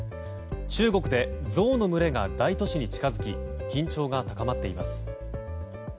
中国でゾウの群れが大都市に近づき緊張が高まっています。